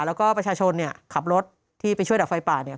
แล้วก็ประชาชนเนี่ยขับรถที่ไปช่วยดับไฟป่าเนี่ย